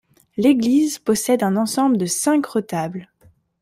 L'église possède un ensemble de cinq retables.